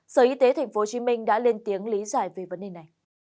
sở y tế tp hcm đã lên tiếng lý giải về vấn đề này